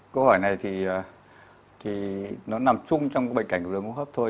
câu hỏi này thì nó nằm chung trong cái bệnh cảnh của đường hô hấp thôi